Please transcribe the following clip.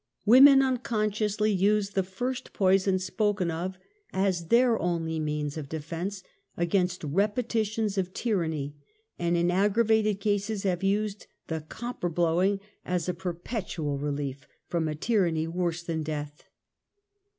Women unconsciously use the first poison spoken of as their only means of de fence against repetitions of tyranny, and in aggra vated cases, have used the ''copper blowing" as a \perpetual relief from a tyranny worse than death.